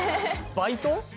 バイト？